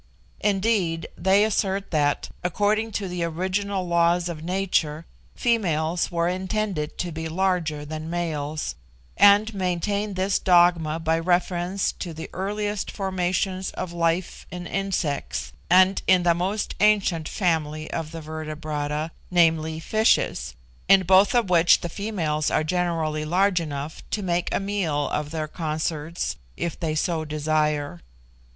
Indeed they assert that, according to the original laws of nature, females were intended to be larger than males, and maintain this dogma by reference to the earliest formations of life in insects, and in the most ancient family of the vertebrata viz., fishes in both of which the females are generally large enough to make a meal of their consorts if they so desire.